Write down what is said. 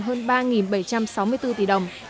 hơn ba bảy trăm sáu mươi bốn tỷ đồng